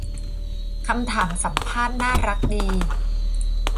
คำถามสัมภาษณ์น่ารักดี